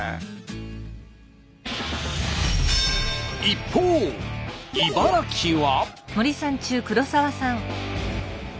一方茨城は。